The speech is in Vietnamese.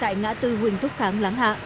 tại ngã tư huỳnh thúc kháng láng hạ